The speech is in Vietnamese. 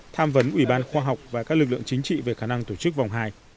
tham vấn ủy ban khoa học và các lực lượng chính trị về khả năng tổ chức vòng hai